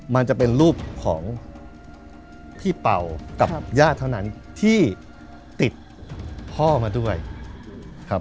มันจะเป็นรูปของพี่เป่ากับญาติเท่านั้นที่ติดพ่อมาด้วยครับ